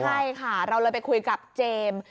ใช่ค่ะเราเลยไปคุยกับเจมส์